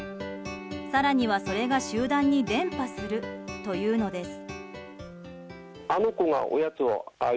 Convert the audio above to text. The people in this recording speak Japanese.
更には、それが集団に伝播するというのです。